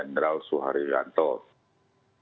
ini adalah peraturan yang sudah diadakan oleh ksatgas